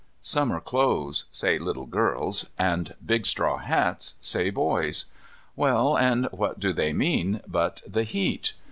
Summer clothes say little girls, and big straw hats say boys. Well, and what do they mean but the heat?